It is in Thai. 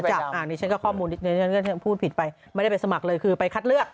อันนี้ฉันก็ข้อมูลนิดนึงฉันก็พูดผิดไปไม่ได้ไปสมัครเลยคือไปคัดเลือก